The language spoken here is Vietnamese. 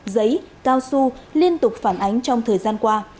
giấy cao su liên tục phản ánh trong thời gian qua